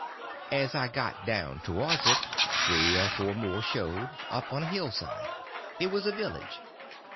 As I got down towards it three or four more showed—up on a hillside. It was a village.